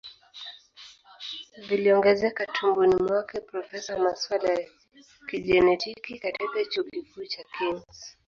viliongezeka tumboni mwake Profesa wa masuala ya kijenetiki katika chuo kikuu cha Kings